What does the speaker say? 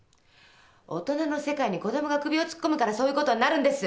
大人の世界に子供が首を突っ込むからそういうことになるんです！